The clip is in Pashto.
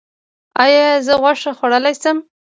ایا زه غوښه خوړلی شم؟